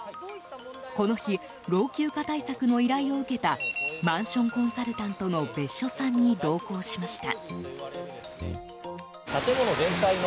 この日老朽化対策の依頼を受けたマンションコンサルタントの別所さんに同行しました。